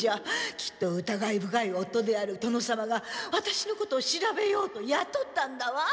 きっと疑い深い夫である殿様がワタシのことを調べようとやとったんだわ。